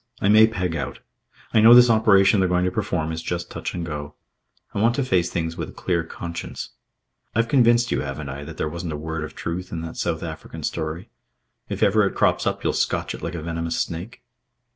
I may peg out. I know this operation they're going to perform is just touch and go. I want to face things with a clear conscience. I've convinced you, haven't I, that there wasn't a word of truth in that South African story? If ever it crops up you'll scotch it like a venomous snake?"